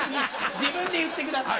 自分で言ってください。